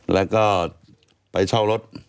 แล้วก็ไปเช่ารถ